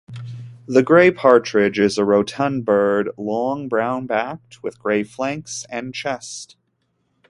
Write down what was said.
The grey partridge is a rotund bird, long, brown-backed, with grey flanks and chest.